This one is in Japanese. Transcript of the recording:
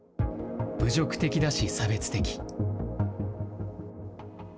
侮辱的だし差別的。